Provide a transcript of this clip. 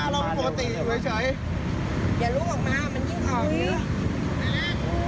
รถลมรถลมรถลม